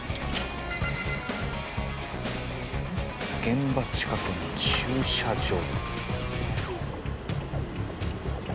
「現場近くの駐車場」？